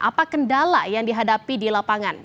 apa kendala yang dihadapi di lapangan